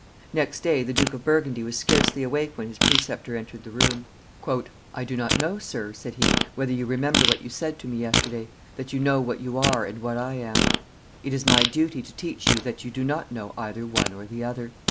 Next day the Duke of Burgundy was scarcely awake when his preceptor entered the room. "I do not know, sir," said he, "whether you remember what you said to me yesterday, that you know what you are and what I am. It is my duty to teach you that you do not know either one or the other.